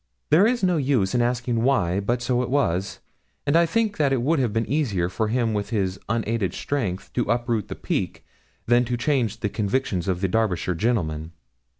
There is no use in asking why; but so it was, and I think it would have been easier for him with his unaided strength to uproot the Peak than to change the convictions of the Derbyshire gentlemen.